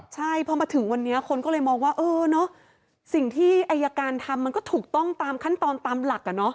ใช่พอมาถึงวันนี้คนก็เลยมองว่าเออเนอะสิ่งที่อายการทำมันก็ถูกต้องตามขั้นตอนตามหลัก